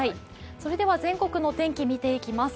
それでは全国のお天気を見ていきます。